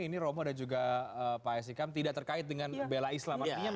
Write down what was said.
ini romo dan juga pak s hikam tidak terkait dengan bela islam